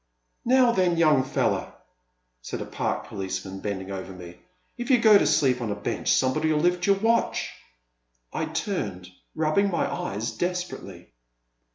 Now then, young feller! '* said a Park police man bending over me, " if you go to sleep on a bench, somebody *11 lift your watch !" I turned, rubbing my eyes desperately.